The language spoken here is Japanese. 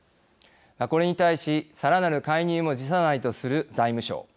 これに対しさらなる介入も辞さないとする財務省。